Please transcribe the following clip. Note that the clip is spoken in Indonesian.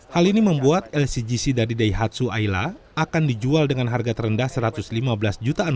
hal ini membuat lcgc dari daihatsu aila akan dijual dengan harga terendah rp satu ratus lima belas jutaan